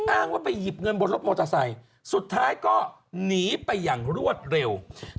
อ้างว่าไปหยิบเงินบนรถมอเตอร์ไซค์สุดท้ายก็หนีไปอย่างรวดเร็ว